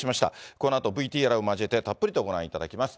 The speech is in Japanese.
このあとＶＴＲを交えてたっぷりとご覧いただきます。